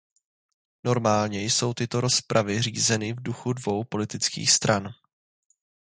Normálně jsou tyto rozpravy řízeny v duchu dvou politických stran.